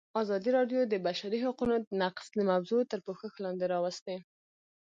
ازادي راډیو د د بشري حقونو نقض موضوع تر پوښښ لاندې راوستې.